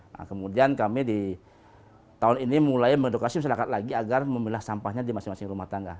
nah kemudian kami di tahun ini mulai mengedukasi masyarakat lagi agar memilah sampahnya di masing masing rumah tangga